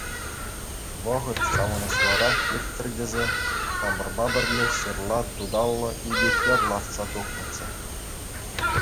Вӑхӑт савӑнӑҫлӑрах ирттӗр тесе, хамӑрпа пӗрле ҫырла туталлӑ икӗ хӗр лартса тухнӑччӗ.